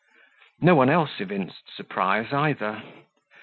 No one else evinced surprise either.